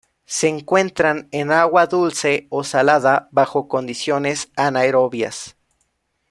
Se encuentran en agua dulce o salada bajo condiciones anaerobias.